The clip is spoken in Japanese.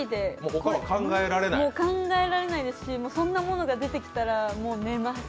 他はもう考えられないですし、そんなものが出てきたらもう寝ます。